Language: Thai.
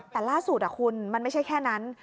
แต่ล่าสุดคุณมันไม่ใช่แค่นั้น